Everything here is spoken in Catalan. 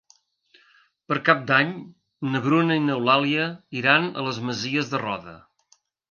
Per Cap d'Any na Bruna i n'Eulàlia iran a les Masies de Roda.